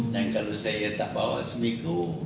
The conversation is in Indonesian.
dan kalau saya tak bawa semiku